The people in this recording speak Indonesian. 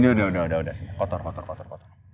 iya udah udah udah udah sini kotor kotor kotor